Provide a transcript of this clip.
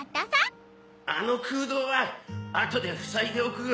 あの空洞は後でふさいでおく。